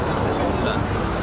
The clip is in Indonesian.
susah enggak ada